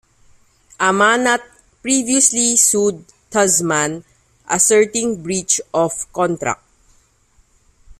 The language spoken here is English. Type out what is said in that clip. Amanat previously sued Tuzman asserting breach of contract.